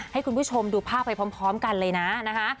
ให้คุณผู้ชมดูภาพไปพร้อมกันเลยนะนะคะ